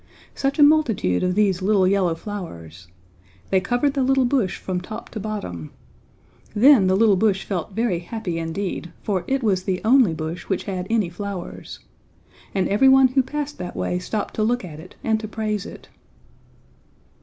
Such a multitude of these little yellow flowers! They covered the little bush from top to bottom. Then the little bush felt very happy indeed, for it was the only bush which had any flowers. And every one who passed that way stopped to look at it and to praise it.